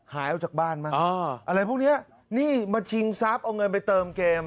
หายออกจากบ้านมั้งอะไรพวกเนี้ยนี่มาชิงทรัพย์เอาเงินไปเติมเกม